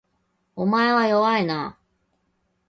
お前は弱いな